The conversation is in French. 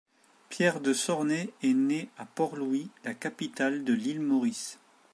Pierre de Sornay est né à Port-Louis la capitale de l’île Maurice.